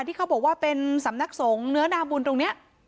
ที่เขาบอกว่าเป็นสำนักสงฆ์เนื้อนาบุญตรงนี้